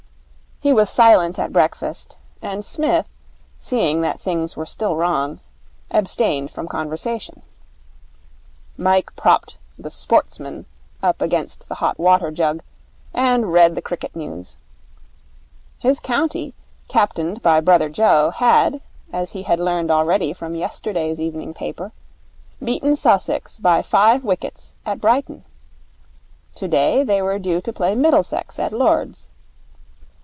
He was silent at breakfast, and Psmith, seeing that things were still wrong, abstained from conversation. Mike propped the Sportsman up against the hot water jug, and read the cricket news. His county, captained by brother Joe, had, as he had learned already from yesterday's evening paper, beaten Sussex by five wickets at Brighton. Today they were due to play Middlesex at Lord's.